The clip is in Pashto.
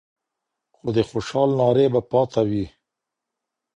خو د خوشال نارې به پاته وي